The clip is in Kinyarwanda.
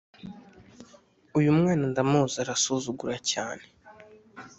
Uyu mwana ndamuzi arasuzugura cyane